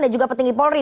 dan juga petinggi polri